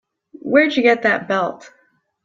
Where'd you get that belt?